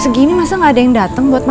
sebelum kore hanya took youtube